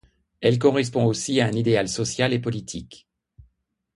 Elle correspond aussi à un idéal social et politique.